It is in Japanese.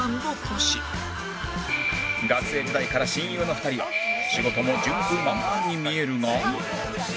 学生時代から親友の２人は仕事も順風満帆に見えるが